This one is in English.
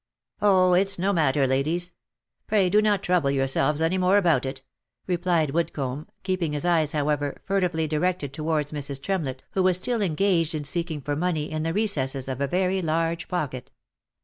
" Oh ! It's no matter, ladies. Pray do not trouble yourselves any more about it," replied Woodcomb, keeping his eyes, however, furtively directed towards Mrs. Tremlett, 1 who was still engaged in seeking for money in the recesses of a very large pocket.